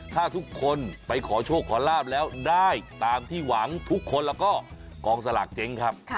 ถ้าทุกคนไปขอโชคขอลาบแล้วได้ตามที่หวังทุกคนแล้วก็กองสลากเจ๊งครับ